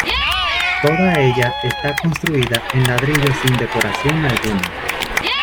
Toda ella está construida en ladrillo sin decoración alguna.